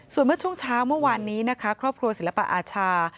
ส่วนเมื่อช่วงเช้าเมื่อวานนี้นะคะครอบครัวศิลปอาชา